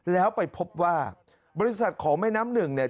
แล้วไปพบว่าบริษัทของแม่น้ำหนึ่งเนี่ย